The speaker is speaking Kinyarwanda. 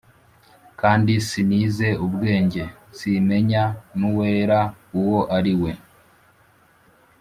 kandi sinize ubwenge, simenya n’uwera uwo ari we